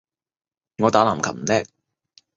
我打籃球唔叻